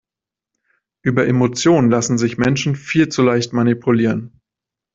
Über Emotionen lassen sich Menschen viel zu leicht manipulieren.